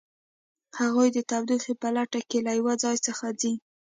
هغوی د تودوخې په لټه کې له یو ځای څخه ځي